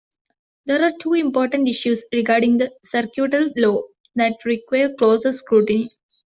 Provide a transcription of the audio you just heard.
There are two important issues regarding the circuital law that require closer scrutiny.